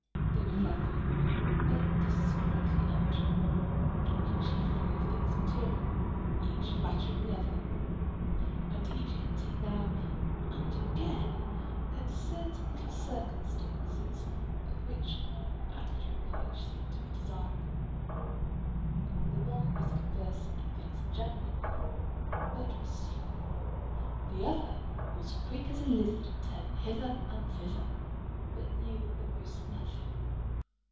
They were loving, but discreetly amatory, talking chiefly of things material, each flattering the other, and each hinting now and again at certain little circumstances of which a more accurate knowledge seemed to be desirable. The one was conversant with things in general, but was slow; the other was quick as a lizard in turning hither and thither, but knew almost nothing.